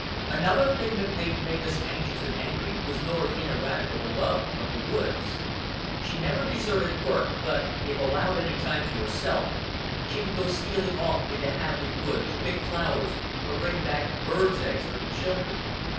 Another thing that made Mavis anxious and angry was Norah's ineradicable love of the woods. She never deserted work, but, if allowed any time to herself, she would go stealing off into Hadleigh Wood to pick flowers or bring back birds' eggs for the children.